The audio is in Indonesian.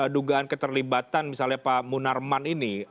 dugaan keterlibatan misalnya pak munarman ini